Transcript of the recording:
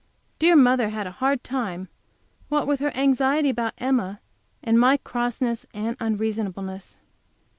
Dear mother had a hard time, what with her anxiety about Emma, and my crossness and unreasonableness.